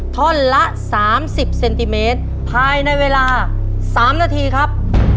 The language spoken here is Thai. ท่อนละ๓๐เซนติเมตรภายในเวลา๓นาทีครับ